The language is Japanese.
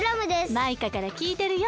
マイカからきいてるよ。